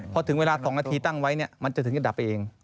พอถึงเวลา๒นาทีตั้งไว้มันจะถึงจะดับไปเอง